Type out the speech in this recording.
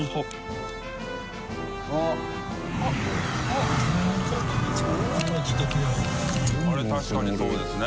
あれ確かにそうですね。